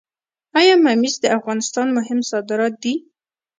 آیا ممیز د افغانستان مهم صادرات دي؟